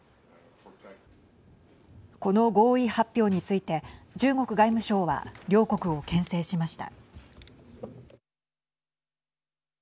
この合意発表について中国外務省は両国をけん制しました。